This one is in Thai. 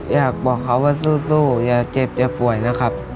อยากบอกเขาว่าสู้อย่าเจ็บอย่าป่วยนะครับ